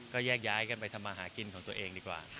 ก็แยกย้ายกันไปทำมาหากินของตัวเองดีกว่า